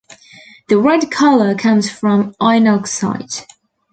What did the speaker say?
The red color comes from iron oxide.